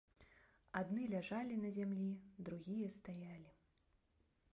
Адны ляжалі на зямлі, другія стаялі.